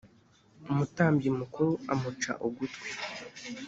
umutambyi mukuru amuca ugutwi